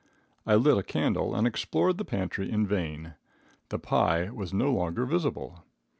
I lit a candle and explored the pantry in vain. The pie was no longer visible.